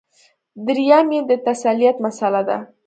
درېیم یې د تثلیث مسله ده.